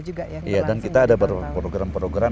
juga ya dan kita ada program program